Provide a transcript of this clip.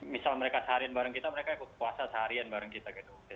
misal mereka seharian bareng kita mereka ikut puasa seharian bareng kita gitu